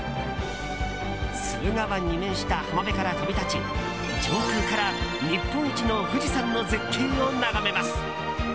駿河湾に面した浜辺から飛び立ち上空から日本一の富士山の絶景を眺めます。